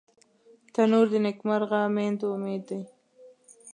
تنور د نیکمرغه میندو امید دی